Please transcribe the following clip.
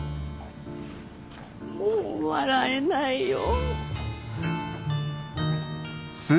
もう笑えないよ。